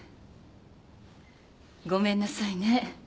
ごめんなさいね。